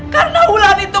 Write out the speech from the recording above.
karena ulan itu